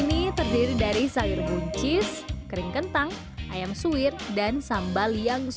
ini terdiri dari sayur buncis kering kentang ayam suwir dan sambal yang